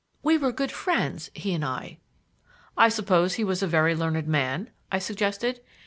We were good friends, he and I." "I suppose he was a very learned man?" I suggested.